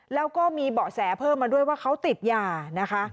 แล้วก็มีเบาะแสเพิ่มมาด้วยว่าเขาติดยานะคะ